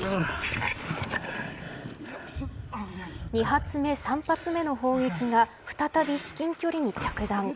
２発目、３発目の砲撃が再び至近距離に着弾。